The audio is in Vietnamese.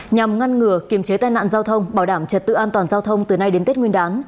nhằm ngăn ngừa kiềm chế tai nạn giao thông bảo đảm trật tự an toàn giao thông từ nay đến tết nguyên đán